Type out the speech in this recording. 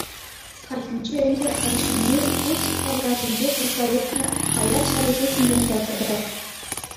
Хальхинче ӗнтӗ арҫынни Курск таврашӗнче пулса иртнӗ хаяр ҫапӑҫу ҫинчен каласа парать.